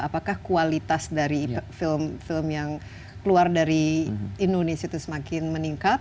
apakah kualitas dari film film yang keluar dari indonesia itu semakin meningkat